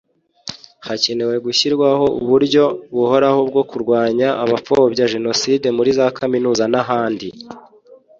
Hakenewe gushyirwaho uburyo buhoraho bwo kurwanya abapfobya Jenoside muri za kaminuza n’ahandi